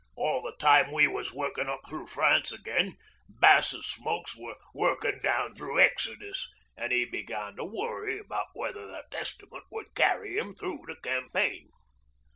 All the time we was workin' up thro' France again Bass's smokes were workin' down through Exodus, an' 'e begun to worry about whether the Testament would carry 'im through the campaign.